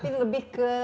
itu kan lebih ke